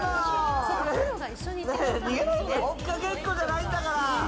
追っかけっこじゃないんだから！